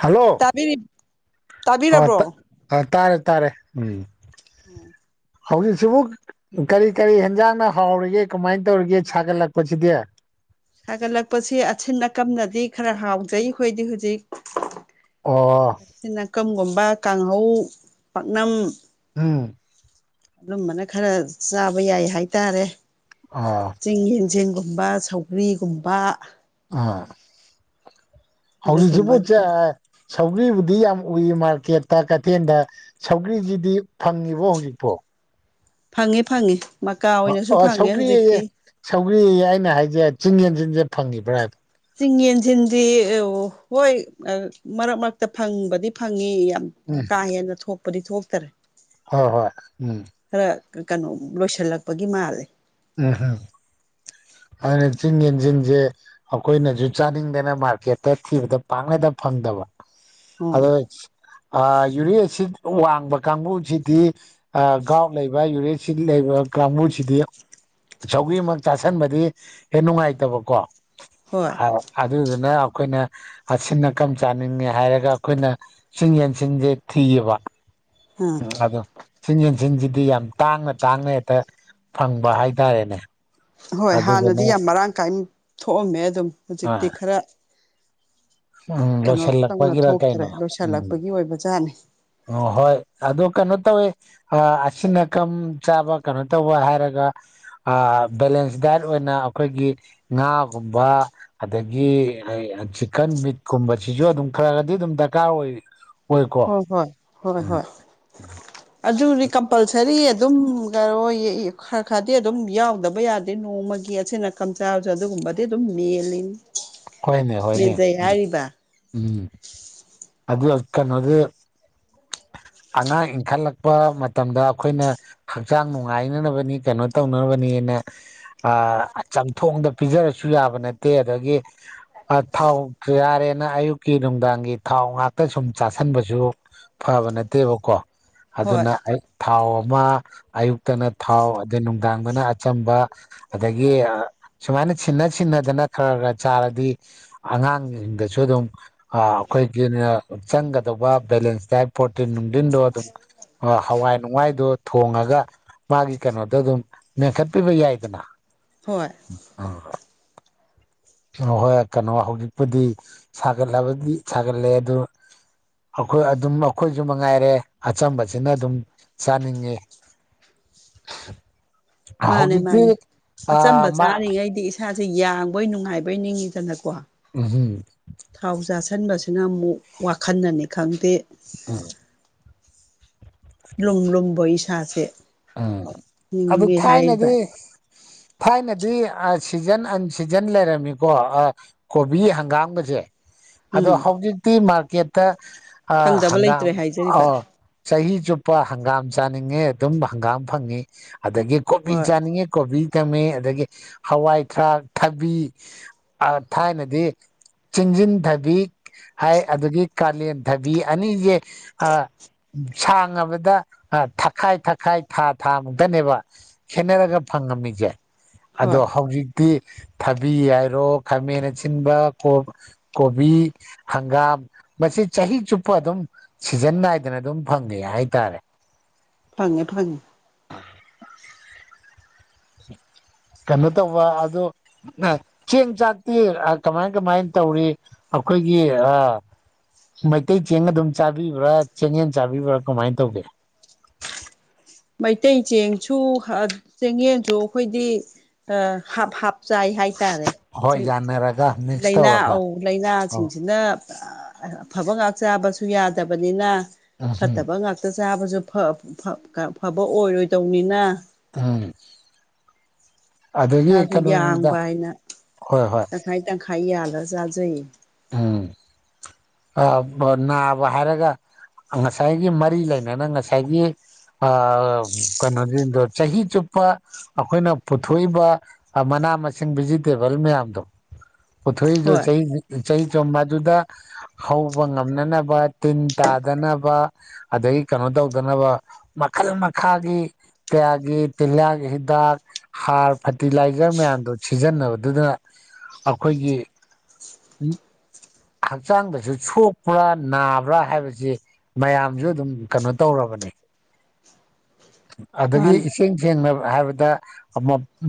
hello ꯇꯥꯕꯤꯔꯤ ꯑ ꯇꯥꯕꯤꯔꯕ꯭ꯔꯣ ꯑ ꯇꯥꯔꯦ ꯇꯥꯔꯦ ꯎꯝ [inaudible] ꯍꯧꯖꯤꯛꯁꯤꯕꯨ ꯀꯔꯤ ꯀꯔꯤ ꯍꯦꯟꯖꯥꯡꯅ ꯍꯥꯎꯔꯤꯒꯦ ꯀꯃꯥꯏꯅ ꯇꯧꯔꯤꯒꯦ ꯁꯥꯒꯠꯂꯛꯄꯁꯤꯗꯤ ꯍꯥꯏꯒꯠꯂꯛꯄꯁꯤ ꯑꯁꯤꯟ ꯑꯀꯝꯅꯗꯤ ꯈꯔ ꯍꯥꯎꯖꯩ ꯑꯩꯈꯣꯏꯗꯤ ꯍꯧꯖꯤꯛ ꯑꯣ ꯁ ꯅꯥꯀꯝꯒꯨꯝꯕ ꯀꯥꯡꯍꯧ ꯄꯥꯛꯅꯝ ꯎꯝ ꯑꯗꯨꯝꯕꯅ ꯈꯔ ꯆꯥꯕ ꯌꯥꯏ ꯍꯥꯏꯇꯥꯔꯦ ꯑ ꯆꯤꯡꯒꯤ ꯖꯦꯡꯒꯨꯝꯕ ꯁꯧꯒ꯭ꯔꯤꯒꯨꯝꯕ ꯑꯥ ꯍꯧꯖꯤꯁꯨ ꯄꯨꯁꯦ ꯑꯗꯨꯒꯨꯝꯕꯗꯨꯅ ꯁꯧꯒ꯭ꯔꯤꯕꯕꯨꯗꯤ ꯌꯥꯝ ꯎꯏ ꯃꯥꯔꯀꯦꯠꯇ ꯀꯩꯊꯦꯜꯗ ꯁꯧꯒ꯭ꯔꯤꯁꯤꯗꯤ ꯐꯪꯉꯤꯕꯣ ꯍꯧꯖꯤꯛꯄꯣ ꯐꯪꯉꯦ ꯐꯪꯉꯤ ꯃꯀꯥ ꯑ ꯑꯣꯏꯅꯁꯨ ꯑ ꯐꯪꯉꯦ ꯍꯧꯖꯤꯛꯇꯤ ꯁꯧꯒ꯭ꯔꯤꯌꯦ ꯁꯧꯒ꯭ꯔꯤ ꯑꯩꯅ ꯍꯥꯏꯁꯦ ꯆꯤꯡ ꯌꯦꯟ ꯆꯟꯁꯦ ꯐꯪꯉꯤꯕ꯭ꯔꯥꯗ ꯆꯤꯡ ꯌꯦꯟꯁꯤꯟꯗꯤ ꯍꯣꯏ ꯃꯔꯛ ꯃꯔꯛꯇ ꯐꯪꯕꯗꯤ ꯐꯪꯉꯤ ꯌꯥꯝ ꯎꯝ ꯀꯥ ꯍꯦꯟꯅ ꯊꯣꯛꯄꯗꯤ ꯊꯣꯛꯇꯔꯦ ꯍꯣꯏ ꯍꯣꯏ ꯎꯝ ꯈꯔ ꯀꯩꯅꯣ ꯂꯣꯏꯁꯤꯜꯂꯛꯄꯒꯤ ꯃꯥꯜꯂꯦ ꯎꯝꯝ ꯑꯗꯨꯅ ꯆꯤꯡ ꯌꯦꯁꯦ ꯑꯩꯈꯣꯏꯅꯁꯨ ꯆꯥꯅꯤꯡꯗꯅ ꯃꯥꯔꯀꯦꯠꯇ ꯊꯤꯕꯗ ꯄꯥꯛꯅꯗ ꯐꯪꯗꯕ ꯎꯝ ꯑꯗꯣ ꯌꯨꯔꯤꯛ ꯑꯦꯁꯤꯠ ꯋꯥꯡꯕ ꯀꯥꯡꯕꯨꯁꯤꯗꯤ ꯒꯥꯎꯠ ꯂꯩꯕ ꯌꯨꯔꯤꯛ ꯑꯦꯁꯤꯠ ꯂꯩꯕ ꯀꯥꯡꯕꯨꯁꯤꯗꯤ ꯁꯧꯒ꯭ꯔꯤꯃꯛ ꯆꯥꯁꯟꯕꯗꯤ ꯍꯦꯛ ꯅꯨꯡꯉꯥꯏꯇꯕꯀꯣ ꯍꯣꯏ ꯑꯗꯨꯗꯨꯅ ꯑꯩꯈꯣꯏꯅ ꯑꯁꯤꯟ ꯑꯀꯝ ꯆꯥꯅꯤꯡꯉꯦ ꯍꯥꯏꯔꯒ ꯑꯩꯈꯣꯏꯅ ꯆꯤꯡ ꯌꯦꯟꯁꯤꯟꯖꯦ ꯊꯤꯌꯦꯕ ꯎꯝ ꯑꯗꯣ ꯆꯤꯡ ꯌꯦꯟꯁꯤꯡꯁꯤꯗꯤ ꯌꯥꯝ ꯇꯥꯡꯅ ꯇꯥꯡꯅ ꯍꯦꯛꯇ ꯐꯪꯕ ꯍꯥꯏꯇꯥꯔꯦꯅꯦ ꯍꯣꯏ ꯍꯥꯟꯅꯗꯤ ꯑꯗꯨꯗꯨꯅ ꯌꯥꯝ ꯃꯔꯥꯡ ꯀꯥꯏꯅ ꯊꯣꯛꯑꯝꯃꯦ ꯑꯗꯨꯝ ꯑ ꯍꯧꯖꯤꯛꯇꯤ ꯈꯔ ꯎꯝ ꯀꯩꯅꯣ ꯇꯧꯅ ꯂꯣꯏꯁꯤꯜꯂꯛꯄꯒꯤꯔ ꯊꯣꯛꯇꯔꯦ ꯀꯩꯅꯣ ꯎꯝ ꯂꯣꯏꯁꯤꯜꯂꯛꯄꯒꯤ ꯑꯣꯏꯕ ꯖꯥꯠꯅꯤ ꯑꯣ ꯍꯣꯏ ꯑꯣ ꯀꯩꯅꯣ ꯇꯧꯋꯦ ꯑꯁꯤꯟ ꯑꯀꯝ ꯆꯥꯕ ꯀꯩꯅꯣ ꯇꯧꯕ ꯍꯥꯏꯔꯒ ꯕꯦꯂꯦꯟꯁ ꯗꯥꯏꯠ ꯑꯣꯏꯅ ꯑꯩꯈꯣꯏꯒꯤ ꯉꯥꯒꯨꯝꯕ ꯑꯗꯒꯤ ꯆꯤꯛꯀꯟ ꯃꯤꯠꯀꯨꯝꯕꯁꯤꯁꯨ ꯑꯗꯨꯝ ꯈꯔꯒꯗꯤ ꯑꯗꯨꯝ ꯗꯔꯀꯥꯔ ꯑꯣꯏ ꯑꯣꯏꯀꯣ ꯍꯣꯏ ꯍꯣꯏ ꯍꯣꯏ ꯎꯝ ꯍꯣꯏ ꯑꯗꯨꯕꯨꯗꯤ ꯀꯝꯄꯜꯁꯔꯤ ꯑꯗꯨꯝ ꯈꯔ ꯈꯔꯗꯤ ꯑꯗꯨꯝ ꯌꯥꯎꯗꯕ ꯌꯥꯗꯦ ꯅꯣꯡꯃꯒꯤ ꯑꯁꯤꯅ ꯀꯝꯆꯥꯥꯁꯨ ꯑꯗꯨꯒꯨꯝꯕꯗꯤ ꯑꯗꯨꯝ ꯃꯦꯜꯂꯤꯅꯤ ꯍꯣꯏꯅꯦ ꯍꯣꯏꯅꯦ ꯃꯦꯟꯖꯩ ꯎꯝ ꯍꯥꯏꯔꯤꯕ ꯎꯝ ꯑꯗꯨ ꯍꯧꯖꯤꯛ ꯀꯩꯅꯣꯗꯤ ꯑꯉꯥꯡ ꯏꯟꯈꯠꯂꯛꯄ ꯃꯇꯝꯗ ꯑꯩꯈꯣꯏꯅ ꯍꯛꯆꯥꯡ ꯅꯨꯡꯉꯥꯏꯅꯅꯕꯅꯤ ꯀꯩꯅꯣ ꯇꯧꯅꯅꯕꯅꯦꯅ ꯑ ꯆꯝꯊꯣꯡꯗ ꯄꯤꯖꯔꯁꯨ ꯌꯥꯕ ꯅꯠꯇꯦ ꯑꯗꯒꯤ ꯊꯥꯎ ꯌꯥꯔꯦꯅ ꯑꯌꯨꯛꯀꯤ ꯅꯨꯡꯗꯥꯡꯒꯤ ꯊꯥꯎ ꯉꯥꯛꯇ ꯁꯨꯝ ꯆꯥꯥꯁꯟꯕꯁꯨ ꯐꯕ ꯅꯠꯇꯦꯕꯀꯣ ꯍꯣꯏ ꯑꯗꯨꯅ ꯑꯩ ꯊꯥꯎ ꯑꯃ ꯑꯌꯨꯛꯇꯅ ꯊꯥꯎ ꯑꯗꯩ ꯅꯨꯡꯗꯥꯡꯗꯅ ꯑꯆꯝꯕ ꯑꯗꯒꯤ ꯁꯨꯃꯥꯏꯅ ꯁꯤꯟꯅ ꯁꯤꯟꯅꯗꯅ ꯈꯔ ꯈꯔ ꯆꯥꯔꯗꯤ ꯑꯉꯥꯡꯁꯤꯡꯗꯁꯨ ꯑꯗꯨꯝ ꯑꯩꯈꯣꯏꯒꯤꯅ ꯆꯪꯒꯗꯧꯕ ꯕꯦꯂꯦꯟꯁ ꯗꯥꯏꯠ ꯄꯣꯔꯇꯤꯟ ꯅꯨꯡꯗꯤꯟꯗꯣ ꯑꯗꯨꯝ ꯍꯋꯥꯏ ꯅꯨꯡꯋꯥꯏꯗꯣ ꯊꯣꯡꯉꯒ ꯃꯥꯒꯤ ꯀꯩꯅꯣꯗꯣ ꯑꯗꯨꯝ ꯃꯦꯟꯈꯠꯄꯤꯕ ꯌꯥꯏꯗꯅ ꯍꯣꯏ ꯑ ꯑ ꯍꯣꯏ ꯀꯩꯅꯣ ꯍꯧꯖꯤꯛꯄꯨꯗꯤ ꯁꯥꯒꯠꯂꯕꯗꯤ ꯁꯥꯒꯠꯂꯦ ꯑꯗꯨ ꯑꯩꯈꯣꯏ ꯑꯗꯨꯝ ꯑꯩꯈꯣꯏꯁꯨ ꯃꯉꯥꯏꯔꯦ ꯑꯆꯝꯕꯁꯤꯅ ꯑꯗꯨꯝ ꯆꯥꯅꯤꯡꯉꯦ ꯃꯥꯅꯦ ꯃꯥꯅꯦ ꯑꯆꯝꯕ ꯃꯥ ꯆꯥꯔꯤꯉꯩꯗꯤ ꯏꯁꯥꯁꯦ ꯌꯥꯡꯕꯣꯏ ꯅꯨꯡꯉꯥꯏꯕ‌ꯣꯏ ꯅꯤꯡꯉꯤꯗꯅꯀꯣ ꯎꯝ ꯍꯝ ꯊꯥꯎ ꯆꯥꯥꯁꯟꯕꯁꯤꯅ ꯑꯃꯨꯛ ꯋꯥꯈꯜꯅꯥꯅꯤ ꯈꯪꯗꯦ ꯑꯝ ꯂꯨꯨꯝ ꯂꯨꯨꯝꯕꯣꯏ ꯏꯁꯥꯁꯦ ꯎꯝ ꯑꯗꯨ ꯍꯤꯡꯉꯦ ꯍꯥꯏꯔꯤꯕ ꯊꯥꯏꯅꯗꯤ ꯊꯥꯏꯅꯗꯤ ꯁꯤꯖꯟ ꯑꯟꯁꯤꯖꯟ ꯂꯩꯔꯝꯃꯤꯀꯣ ꯑꯥ ꯀꯣꯕꯤ ꯍꯪꯒꯥꯥꯝꯒꯥꯁꯦ ꯑꯗꯣ ꯎꯝ ꯍꯧꯖꯤꯛꯇꯤ ꯃꯥꯔꯀꯦꯠꯇ ꯑ ꯐꯪꯗꯕ ꯍꯪꯒꯥꯝ ꯂꯩꯇ꯭ꯔꯦ ꯍꯥꯏꯖꯔꯤꯕ ꯑꯧ ꯆꯍꯤ ꯆꯨꯞꯄ ꯍꯪꯒꯥꯝ ꯆꯥꯅꯤꯡꯉꯦ ꯑꯗꯨꯝ ꯍꯪꯒꯥꯝ ꯐꯪꯉꯤ ꯑꯗꯒꯤ ꯀꯣꯕꯤ ꯍꯣꯏ ꯆꯥꯅꯤꯡꯉꯦ ꯀꯣꯕꯤ ꯊꯝꯃꯤ ꯑꯗꯒꯤ ꯍꯋꯥꯏ ꯊꯔꯥꯛ ꯊꯕꯤ ꯑ ꯊꯥꯏꯅꯗꯤ ꯆꯤꯡꯖꯤꯟ ꯊꯕꯤ ꯍꯥꯏ ꯑꯗꯒꯤ ꯀꯥꯂꯦꯟ ꯊꯕꯤ ꯑꯅꯤꯁꯦ ꯑꯥ ꯁꯥꯡꯉꯕꯗ ꯊꯛꯈꯥꯏ ꯊꯛ ꯈꯥꯏ ꯊꯥ ꯊꯥ ꯃꯨꯛꯇꯅꯦꯕ ꯈꯦꯠꯅꯔꯒ ꯐꯪꯉꯝꯃꯤꯁꯦ ꯍꯣꯏ ꯑꯗꯣ ꯍꯧꯖꯤꯛ ꯇꯤ ꯊꯥꯕꯤ ꯍꯥꯏꯔꯣ ꯈꯥꯃꯦꯟ ꯑꯁꯤꯟꯕ ꯀꯣ ꯀꯣꯕꯤ ꯍꯪꯒꯥꯝ ꯃꯁꯤ ꯆꯍꯤ ꯆꯨꯞꯄ ꯑꯗꯨꯝ ꯁꯤꯖꯟ ꯅꯥꯏꯗꯅ ꯑꯗꯨꯝ ꯐꯪꯉꯦ ꯍꯥꯏꯇꯥꯔꯦ ꯐꯪꯉꯦ ꯐꯪꯉꯦ ꯀꯩꯅꯣ ꯇꯧꯕ ꯑꯗꯨ ꯆꯦꯡ ꯆꯥꯛꯇꯤ ꯀꯃꯥꯏ ꯀꯃꯥꯏꯅ ꯇꯧꯔꯤ ꯑꯩꯈꯣꯏꯒꯤ ꯑꯥ ꯃꯩꯇꯩ ꯆꯦꯡ ꯑꯗꯨꯝ ꯆꯥꯕꯤꯕ꯭ꯔꯥ ꯆꯦꯡꯌꯦꯟ ꯆꯥꯕꯤꯕ꯭ꯔꯥ ꯀꯃꯥꯏꯅ ꯇꯧꯒꯦ ꯃꯩꯇꯩ ꯆꯦꯡꯁꯨ ꯆꯦꯡꯌꯦꯟꯁꯨ ꯑꯩꯈꯣꯏꯗꯤ ꯍꯥꯞ ꯍꯥꯞ ꯆꯥꯏ ꯍꯥꯏꯇꯥꯔꯦ ꯍꯣꯏ ꯍꯧꯖꯤꯛ ꯌꯥꯅꯔꯒ ꯃꯤꯛꯁ ꯂꯩꯅꯥ ꯇꯧꯔꯒ ꯑꯧ ꯂꯩꯥꯅꯥꯁꯤꯡꯁꯤꯅ ꯑꯐꯕ ꯉꯥꯛ ꯆꯥꯕꯁꯨ ꯌꯥꯗꯕꯅꯤꯅ ꯎꯝ ꯐꯠꯇꯕ ꯉꯥꯛ ꯉꯛꯇ ꯆꯥꯕꯁꯨ ꯐ ꯐ ꯐꯥꯕ ꯑꯣꯏꯔꯣꯏꯗꯧꯅꯤꯅ ꯎꯝ ꯑꯗꯨꯗꯒꯤ ꯏꯁꯥꯁꯨ ꯀꯩꯅꯣꯅꯤꯗ ꯌꯥꯡꯕ ꯍꯥꯏꯅ ꯍꯣꯏ ꯍꯣꯏ ꯇꯪꯈꯥꯏ ꯇꯪꯈꯥꯏ ꯌꯥꯜꯂ ꯆꯥꯖꯩꯌ‌ꯦ ꯎꯝ ꯅꯥꯕ ꯍꯥꯏꯔꯒ ꯉꯁꯥꯏꯒꯤ ꯃꯔꯤ ꯂꯩꯅꯅ ꯉꯁꯥꯏꯒꯤ ꯑ ꯀꯩꯅꯣ ꯁꯤꯡꯗ‌ꯣ ꯆꯍꯤ ꯆꯨꯞꯄ ꯑꯩꯈꯣꯏꯅ ꯄꯨꯊꯣꯛꯏꯕ ꯃꯅꯥ ꯃꯁꯤꯡ ꯚꯤꯖꯤꯇꯦꯕꯜ ꯃꯌꯥꯝꯗꯣ ꯄꯨꯊ‌ꯣꯛꯏꯗ‌ꯣ ꯍꯣꯏ ꯆꯍꯤ ꯆꯍꯤꯍꯤ ꯆꯨꯞ ꯃꯗꯨꯗ ꯍꯧꯕ ꯉꯝꯅꯅꯕ ꯇꯤꯟ ꯇꯥꯗꯅꯕ ꯑꯗꯒꯤ ꯀꯩꯅꯣ ꯇꯧꯗꯅꯕ ꯃꯈꯜ ꯃꯈꯥꯒꯤ ꯀꯌꯥꯒꯤ ꯇꯤꯜꯍꯥꯠ ꯍꯤꯗꯥꯛ ꯍꯥꯔ ꯐꯔꯇꯤꯂꯥꯏꯖꯔ ꯃꯌꯥꯝꯗꯣ ꯁꯤꯖꯤꯟꯅꯕꯗꯨꯗ ꯑꯩꯈꯣꯏꯒꯤ [unintelligible] ꯍꯛꯆꯥꯡꯗꯁꯨ ꯁꯣꯛꯄ꯭ꯔꯥ ꯅꯥꯕ꯭ꯔꯥ ꯍꯥꯏꯕꯁꯤ ꯃꯌꯥꯝꯁꯨ ꯑꯗꯨꯝ ꯀꯩꯅꯣ ꯇꯧꯔꯕꯅꯤ ꯑꯗꯒꯤ ꯃꯥꯅꯦ ꯏꯁꯤꯡ ꯁꯦꯡꯅ ꯍꯥꯏꯕꯗ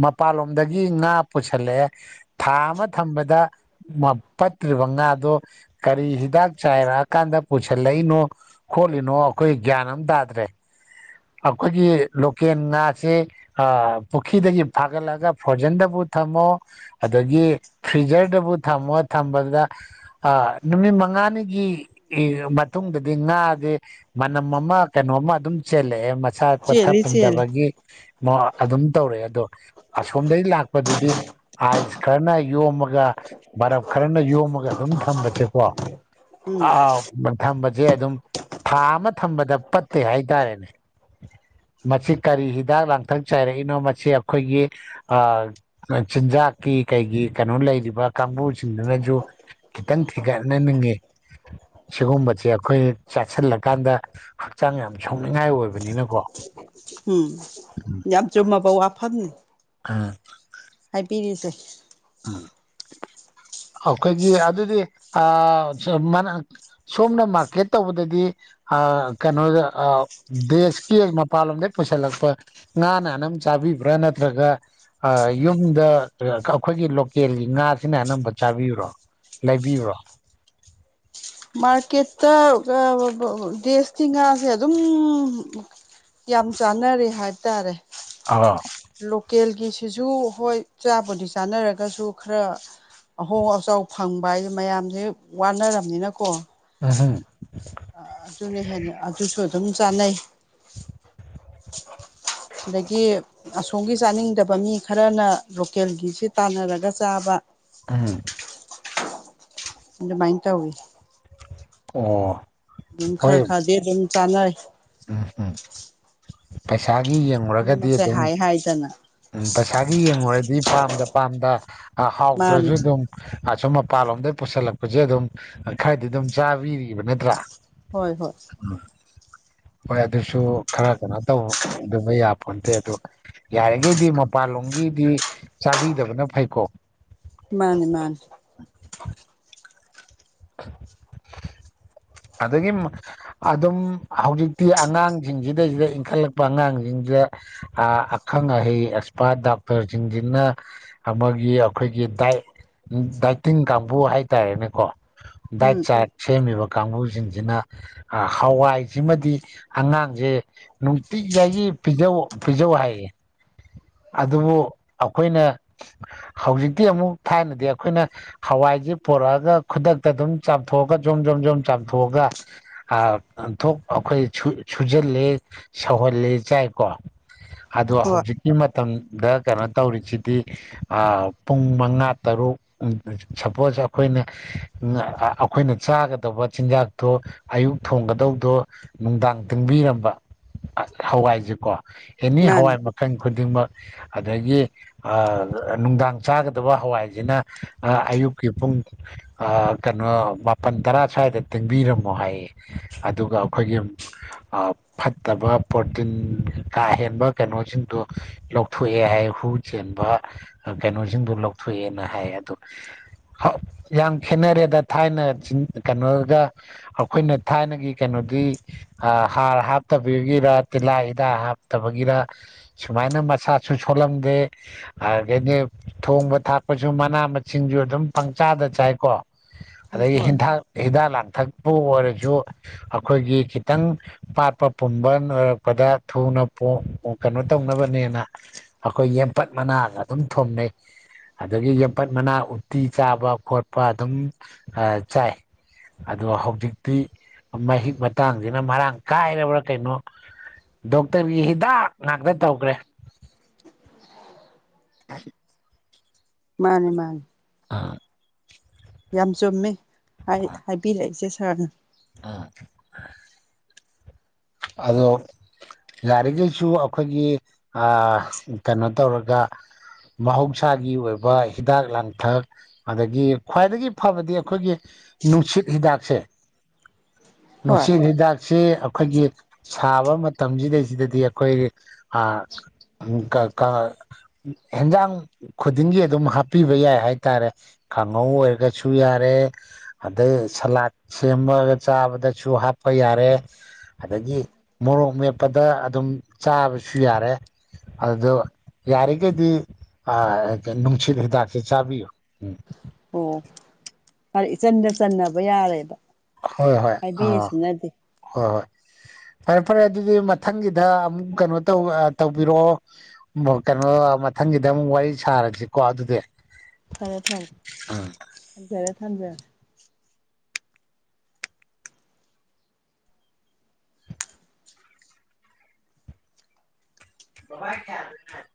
ꯃꯄꯥꯟꯂꯣꯝꯗꯒꯤ ꯉꯥ ꯄꯨꯁꯜꯂꯛꯑꯦ ꯊꯥ ꯑꯃ ꯊꯝꯕꯗ ꯄꯠꯇ꯭ꯔꯤꯕ ꯉꯥ ꯑꯗꯣ ꯀꯔꯤ ꯍꯤꯗꯥꯛ ꯆꯥꯏꯔꯛꯑꯀꯥꯟꯗ ꯄꯨꯁꯤꯜꯂꯛꯏꯅꯣ ꯈꯣꯠꯂꯤꯅꯣ ꯑꯩꯈꯣꯏ ꯒ꯭ꯌꯥꯟ ꯑꯃ ꯇꯥꯗ꯭ꯔꯦ ꯑꯩꯈꯣꯏꯒꯤ ꯂꯣꯀꯦꯜ ꯉꯥꯥꯁꯦ ꯄꯨꯈ꯭ꯔꯤꯗꯒꯤ ꯐꯥꯒꯠꯂꯛꯒ ꯐꯣꯔꯖꯤꯟꯗꯕꯨ ꯊꯝꯃꯣ ꯑꯗꯒꯤ ꯐ꯭ꯔꯤꯖꯔꯗꯕꯨ ꯊꯝꯃꯣ ꯊꯝꯕꯗꯨꯗ ꯑ ꯅꯨꯃꯤꯠ ꯃꯉꯥꯅꯤꯒꯤ ꯃꯇꯨꯡꯗꯗꯤ ꯉꯥꯁꯦ ꯃꯅꯝ ꯑꯃ ꯀꯩꯅꯣꯃ ꯑꯗꯨꯝ ꯆꯦꯜꯂꯛꯑꯦ ꯃꯁꯥ ꯀꯣꯊ ꯆꯦꯜꯂꯤ ꯆꯦꯜꯂꯤ ꯄꯨꯝꯊꯕꯒꯤ ꯑꯗꯨꯝ ꯇꯧꯔꯛꯑꯦ ꯑꯗꯣ ꯑꯁꯣꯝꯗꯒꯤ ꯂꯥꯛꯄꯗꯨꯗꯤ ꯑꯥꯏꯁ ꯈꯔꯅ ꯌꯣꯝꯃꯒ ꯕꯔꯞ ꯈꯔꯅ ꯌꯣꯝꯃꯒ ꯑꯗꯨꯝ ꯊꯝꯕꯁꯦꯀꯣ ꯎꯝ ꯑ ꯊꯝꯕꯁꯦ ꯑꯗꯨꯝ ꯊꯥ ꯑꯃ ꯊꯝꯕꯗ ꯄꯠꯇꯦ ꯍꯥꯏꯇꯥꯔꯦꯅꯦ ꯃꯁꯤ ꯀꯔꯤ ꯍꯤꯗꯥꯛ ꯂꯥꯡꯊꯛ ꯆꯥꯏꯔꯛꯏꯅꯣ ꯃꯁꯤ ꯑꯩꯈꯣꯏꯒꯤ ꯆꯤꯟꯖꯥꯛꯀꯤ ꯀꯩꯒꯤ ꯀꯩꯅꯣ ꯂꯩꯔꯤꯕ ꯀꯥꯡꯕꯨꯁꯤꯡꯗꯨꯅꯁꯨ ꯈꯤꯇꯪ ꯊꯤꯒꯠꯅꯅꯤꯡꯉꯤ ꯁꯤꯒꯨꯝꯕꯁꯦ ꯑꯩꯈꯣꯏ ꯆꯥꯁꯤꯜꯂꯀꯥꯟꯗ ꯍꯛꯆꯥꯡ ꯌꯥꯝ ꯁꯥꯎꯅꯤꯡꯉꯥꯏ ꯑꯣꯏꯕꯅꯤꯅꯀꯣ ꯎꯝ ꯌꯥꯝ ꯆꯨꯝꯃꯕꯎ ꯋꯥꯐꯕꯅꯦ ꯎꯝ ꯍꯥꯏꯕꯤꯔꯤꯗꯣ ꯎꯝ ꯑꯩꯈꯣꯏꯒꯤ ꯑꯗꯨꯗꯤ ꯑꯥ ꯁ ꯃꯅ ꯁꯣꯝꯅ ꯃꯥꯔꯀꯦꯠ ꯇꯧꯕꯗꯗꯤ ꯑ ꯀꯩꯅꯣꯗ ꯑ ꯗꯦꯁꯀꯤ ꯃꯄꯥꯟꯂꯣꯝꯗꯒꯤ ꯄꯨꯁꯤꯜꯂꯛꯄ ꯉꯥꯅ ꯑꯅꯝꯕ ꯆꯥꯕꯤꯕ꯭ꯔꯥ ꯅꯠꯇ꯭ꯔꯒ ꯌꯨꯝꯗ ꯑꯩꯈꯣꯏꯒꯤ ꯂꯣꯀꯦꯜꯒꯤ ꯉꯥꯁꯤꯅ ꯑꯅꯝꯕ ꯆꯥꯕꯤꯕꯨꯔꯣ ꯂꯩꯕꯤꯕꯨꯔꯣ ꯃꯥꯔꯀꯦꯠꯇ ꯑ ꯗꯦꯁꯀꯤ ꯉꯥꯁꯦ ꯑꯗꯨꯝ ꯌꯥꯝ ꯆꯥꯟꯅꯔꯤ ꯍꯥꯏꯇꯥꯔꯦ ꯑꯥ ꯂꯣꯀꯦꯜꯒꯤꯁꯤꯁꯨ ꯍꯣꯏ ꯆꯥꯕꯨꯗꯤ ꯆꯥꯅꯔꯒꯁꯨ ꯈꯔ ꯑꯍꯣꯡ ꯑꯆꯥꯎ ꯐꯪꯕ ꯍꯥꯏꯗꯤ ꯃꯌꯥꯝꯁꯦ ꯋꯥꯅꯔꯕꯝꯅꯤꯅꯀꯣ ꯑꯨꯝ ꯍꯨꯝ ꯑꯗꯨꯅ ꯍꯦꯟꯅ ꯑꯗꯨꯁꯨ ꯑꯗꯨꯝ ꯆꯥꯟꯅꯩ ꯑꯗꯒꯤ ꯑꯁꯣꯝꯒꯤ ꯆꯥꯅꯤꯡꯗꯕ ꯃꯤ ꯈꯔꯅ ꯂꯣꯀꯦꯜꯒꯤꯁꯤ ꯇꯥꯟꯅꯔꯒ ꯆꯥꯕ ꯎꯝ ꯃꯥꯗꯨꯃꯥꯏ ꯇꯎꯋꯤ ꯑꯣ ꯑꯗꯨꯝ ꯈꯔ ꯍꯣꯏ ꯈꯔꯗꯤ ꯑꯗꯨꯝ ꯆꯥꯟꯅꯩ ꯎꯝ ꯎꯝ ꯄꯩꯁꯥꯒꯤ ꯌꯦꯡꯂꯡꯨꯔꯒꯗꯤ ꯑꯅꯤꯃꯛꯁꯦ ꯑꯗꯨꯝ ꯍꯥꯏ ꯍꯥꯏꯗꯅ ꯎꯝ ꯄꯩꯁꯥꯒꯤ ꯌꯦꯡꯉꯨꯔꯗꯤ ꯄꯥꯝꯗ ꯄꯥꯝꯗ ꯃꯥꯅꯤ ꯍꯥꯎꯗ꯭ꯔꯁꯨ ꯑꯗꯨꯝ ꯑꯁꯨꯝ ꯃꯄꯥꯟꯂꯣꯝꯗꯩ ꯄꯨꯁꯜꯂꯛꯄꯁꯦ ꯑꯗꯨꯝ ꯈꯔꯗꯤ ꯑꯗꯨꯝ ꯆꯥꯕꯤꯔꯤꯕ ꯅꯠꯇ꯭ꯔꯥ ꯍꯣꯏ ꯍꯣꯏ ꯎꯝ ꯍꯣꯏ ꯑꯗꯨꯁꯨ ꯈꯔ ꯀꯩꯅꯣ ꯇꯧꯗꯕ ꯌꯥꯕ ꯐꯣꯟꯇꯦ ꯑꯗꯣ ꯌꯥꯔꯤꯈꯩꯗꯤ ꯃꯄꯥꯟꯂꯣꯝꯒꯤꯗꯤ ꯆꯥꯕꯤꯗꯕꯅ ꯐꯩꯀꯣ ꯃꯥꯅꯦ ꯃꯥꯅꯦ ꯑꯗꯒꯤ ꯑꯗꯨꯝ ꯍꯧꯖꯤꯛꯇꯤ ꯑꯉꯥꯡꯁꯤꯡꯁꯤꯗꯩꯁꯤꯗ ꯏꯟꯈꯠꯂꯛꯄ ꯑꯉꯥꯡꯁꯤꯡꯁꯤꯗ ꯑꯈꯪ ꯑꯍꯩ ꯑꯦꯛꯁꯄꯥꯔꯠ ꯗꯣꯛꯇꯔꯁꯤꯡꯁꯤꯅ ꯑꯃꯒꯤ ꯑꯩꯈꯣꯏꯒꯤ ꯗꯥ ꯗꯥꯏꯇꯤꯟ ꯀꯥꯡꯕꯨ ꯍꯥꯏꯇꯥꯔꯦꯅꯦꯀꯣ ꯗꯥꯏꯠ ꯎꯝ ꯆꯥ ꯁꯦꯝꯃꯤꯕ ꯀꯥꯡꯕꯨꯁꯤꯡꯁꯤꯅ ꯍꯋꯥꯏꯁꯤꯃꯗꯤ ꯑꯉꯥꯡꯁꯦ ꯅꯨꯡꯇꯤ ꯖꯥꯢꯒꯤ ꯄꯤꯖꯥꯎ ꯍꯥꯢꯌꯦ ꯑꯗꯨꯕꯨ ꯑꯩꯈꯣꯏꯅ ꯍꯧꯖꯤꯛꯇꯤ ꯑꯃꯨꯛ ꯊꯥꯏꯅꯗꯤ ꯑꯩꯈꯣꯏꯅ ꯍꯋꯥꯏꯁꯦ ꯄꯣꯔꯛꯑꯒ ꯈꯨꯗꯛꯇ ꯑꯗꯨꯝ ꯆꯥꯊꯣꯛꯑꯒ ꯖꯣꯝ ꯖꯣꯝ ꯖꯣꯝ ꯆꯥꯝꯊꯣꯛꯑꯒ ꯑꯩꯈꯣꯏ ꯁꯨꯖꯤꯜꯂꯦ ꯁꯧꯍꯜꯂꯤ ꯆꯥꯏꯀꯣ ꯑꯗꯣ ꯍꯧꯖꯤꯛ ꯍꯣꯏ ꯍꯧꯖꯤꯛꯒꯤ ꯃꯇꯝꯗ ꯀꯩꯅꯣ ꯇꯧꯔꯤꯁꯤꯗꯤ ꯄꯨꯡ ꯃꯉꯥ ꯇꯔꯨꯛ ꯁꯄꯣꯁ ꯑꯩꯈꯣꯏꯅ ꯑꯩꯈꯣꯏꯅ ꯆꯥꯒꯗꯧꯕ ꯆꯤꯟꯖꯥꯛꯇꯣ ꯑꯌꯨꯛ ꯊꯣꯡꯒꯗꯧꯗꯣ ꯅꯨꯡꯗꯥꯡ ꯇꯤꯡꯕꯤꯔꯝꯕ ꯍꯋꯥꯏꯁꯤꯀꯣ ꯑꯦꯅꯤ ꯍꯋꯥꯏ ꯃꯥꯅꯤ ꯃꯈꯜ ꯈꯨꯗꯤꯡꯃꯛ ꯑꯗꯒꯤ ꯅꯨꯡꯗꯥꯡ ꯆꯥꯒꯗꯕ ꯍꯋꯥꯏꯁꯤꯅ ꯑꯌꯨꯛꯀꯤ ꯄꯨꯡ ꯑ ꯀꯩꯅꯣ ꯃꯥꯄꯟ ꯇꯔꯥ ꯁꯨꯋꯥꯢꯗ ꯇꯦꯡꯕꯤꯔꯝꯃꯣ ꯍꯥꯏꯌꯦ ꯑꯗꯨꯒ ꯑꯩꯈꯣꯏꯒꯤ ꯐꯠꯇꯕ ꯄ꯭ꯔꯣꯇꯤꯟ ꯀꯥ ꯍꯦꯟꯕ ꯀꯩꯅꯣꯁꯤꯡꯗꯣ ꯂꯧꯊꯣꯛꯑꯦ ꯍꯥꯏ ꯍꯨ ꯆꯦꯟꯕ ꯀꯩꯅꯣꯁꯤꯡꯗꯣ ꯂꯧꯊꯣꯛꯑꯦꯅ ꯍꯥꯏ ꯑꯗꯣ ꯌꯥꯝ ꯈꯦꯠꯅꯔꯦꯗ ꯊꯥꯏꯅ ꯀꯩꯅꯣ ꯁꯤꯗ ꯑꯩꯈꯣꯏꯅ ꯊꯥꯏꯅꯒꯤ ꯀꯩꯅꯣꯗꯤ ꯍꯥꯔ ꯍꯥꯞꯇꯕꯤꯒꯤꯔ ꯇꯤꯜꯍꯥ ꯍꯤꯗꯥꯛ ꯍꯥꯞꯇꯕꯒꯤꯔ ꯁꯨꯃꯥꯏꯅ ꯃꯁꯥꯁꯨ ꯁꯣꯂꯝꯗꯦ ꯑꯗꯨꯗꯒꯤꯗꯤ ꯊꯣꯡꯕ ꯊꯥꯛꯄꯁꯨ ꯃꯅꯥ ꯃꯁꯤꯡꯁꯨ ꯑꯗꯨꯝ ꯄꯪꯆꯥꯗ ꯆꯥꯏꯀꯣ ꯎꯝ ꯑꯗꯒꯤ ꯍꯣꯏ ꯍꯤꯗꯥꯛ ꯍꯤꯗꯥꯛ ꯂꯥꯡꯊꯛꯄꯨ ꯑꯣꯏꯔꯁꯨ ꯑꯩꯈꯣꯏꯒꯤ ꯈꯤꯇꯪ ꯄꯥꯠꯄ ꯄꯨꯝꯕ ꯑꯣꯏꯔꯛꯄꯗ ꯊꯨꯅ ꯀꯩꯅꯣ ꯇꯧꯅꯕꯅꯦꯅ ꯑꯩꯈꯣꯏ ꯌꯦꯝꯄꯠ ꯃꯅꯥꯒ ꯑꯗꯨꯝ ꯊꯣꯝꯅꯩ ꯑꯗꯒꯤ ꯌꯝꯐꯠ ꯃꯅꯥ ꯎꯇꯤ ꯆꯥꯕ ꯈꯣꯠꯄ ꯑꯗꯨꯝ ꯆꯥꯏ ꯑꯗꯣ ꯍꯧꯖꯤꯛꯇꯤ ꯃꯍꯤꯛ ꯃꯇꯥꯡꯁꯤꯅ ꯃꯔꯥꯡ ꯀꯥꯏꯔꯕ꯭ꯔꯥ ꯀꯩꯅꯣ ꯗꯣꯛꯇꯔꯒꯤ ꯍꯤꯗꯥꯛ ꯉꯥꯛꯇ ꯇꯧꯈ꯭ꯔꯦ [inaudible] ꯃꯥꯅꯦ ꯃꯥꯅꯦ ꯑꯥ ꯌꯥꯝ ꯆꯨꯝꯃꯦ ꯍꯥꯏꯕꯤꯔꯛꯏꯁꯦ ꯁꯥꯔꯅ ꯑ [inaudible] ꯑꯗꯣ ꯌꯥꯔꯤꯈꯩꯁꯨ ꯑꯩꯈꯣꯏꯒꯤ ꯑꯥ ꯀꯩꯅꯣ ꯇꯧꯔꯒ ꯃꯍꯧꯁꯥꯒꯤ ꯑꯣꯏꯕ ꯍꯤꯗꯥꯛ ꯂꯥꯡꯊꯛ ꯑꯗꯒꯤ ꯈ꯭ꯋꯥꯏꯗꯒꯤ ꯐꯕꯗꯤ ꯑꯩꯈꯣꯏꯒꯤ ꯅꯨꯡꯁꯤꯠ ꯍꯤꯗꯥꯛꯁꯦ ꯍꯣꯏ ꯅꯨꯡꯁꯤꯠ ꯍꯤꯗꯥꯛꯁꯦ ꯑꯩꯈꯣꯏꯒꯤ ꯁꯥꯕ ꯃꯇꯝꯁꯤꯗꯩꯗꯗꯤ ꯑꯩꯈꯣꯏꯒꯤ ꯍꯦꯟꯖꯥꯡ ꯈꯨꯗꯤꯡꯒꯤ ꯑꯗꯨꯝ ꯍꯥꯞꯄꯤꯕ ꯌꯥꯏ ꯍꯥꯏꯇꯥꯔꯦ ꯀꯥꯡꯍꯧ ꯑꯣꯏꯔꯒꯁꯨ ꯌꯥꯔꯦ ꯑꯗꯩ ꯁꯂꯥꯗ ꯁꯦꯝꯃꯒ ꯆꯥꯕꯗꯁꯨ ꯍꯥꯞꯄ ꯌꯥꯔꯦ ꯑꯗꯒꯤ ꯃꯣꯔꯣꯛ ꯃꯦꯠꯄꯗ ꯑꯗꯨꯝ ꯆꯥꯕꯁꯨ ꯌꯥꯔꯦ ꯑꯗꯣ ꯌꯥꯔꯤꯒꯩꯗꯤ ꯅꯨꯡꯁꯤꯠ ꯍꯤꯗꯥꯛꯁꯦ ꯆꯥꯕꯤꯌꯨ ꯎꯝ ꯑꯣ ꯏꯆꯟꯗ ꯆꯟꯅꯕ ꯌꯥꯔꯦꯕ ꯍꯣꯏ ꯍꯣꯏ ꯑꯥ ꯍꯥꯏꯕꯤꯔꯤꯁꯤꯅꯗꯤ ꯍꯣꯏ ꯍꯣꯏ ꯐꯔꯦ ꯐꯔꯦ ꯑꯗꯨꯗꯤ ꯃꯊꯪꯒꯤꯗ ꯑꯃꯨꯛ ꯀꯩꯅꯣ ꯇꯧ ꯇꯧꯕꯤꯔꯛꯑꯣ ꯀꯩꯅꯣ ꯃꯊꯪꯒꯤꯗ ꯑꯃꯨꯛ ꯋꯥꯔꯤ ꯁꯥꯔꯁꯤꯀꯣ ꯑꯗꯨꯗꯤ ꯐꯔꯦ ꯐꯔꯦ ꯊꯝꯖꯔꯦ ꯊꯝꯖꯔꯦ ꯕꯥꯏ ꯈꯌꯥ [inaudible]